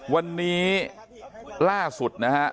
วันนี้ล่าสุดนะฮะ